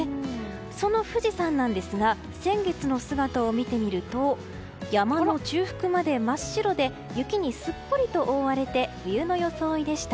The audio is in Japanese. その富士山ですが先月の姿を見てみると山の中腹まで真っ白で雪にすっぽりと覆われて冬の装いでした。